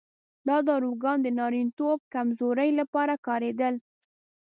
دا داروګان د نارینتوب کمزورۍ لپاره کارېدل.